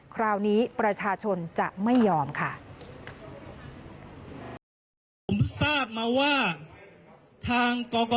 คราวนี้ประชาชนจะไม่ยอมค่ะ